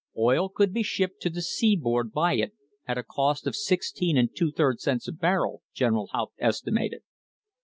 Oil could be shipped to the seaboard by it at a cost of 16 2 3 cents a barrel, General Haupt estimated.